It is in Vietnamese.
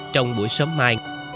trong buổi sớm mai